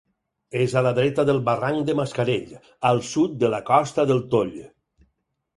És a la dreta del barranc de Mascarell, al sud de la Costa del Toll.